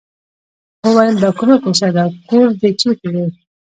وویل دا کومه کوڅه ده او کور دې چېرته دی.